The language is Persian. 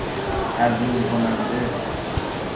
تضمین کننده